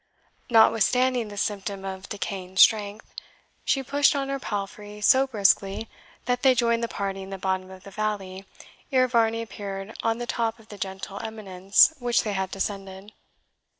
Notwithstanding this symptom of decaying strength, she pushed on her palfrey so briskly that they joined the party in the bottom of the valley ere Varney appeared on the top of the gentle eminence which they had descended.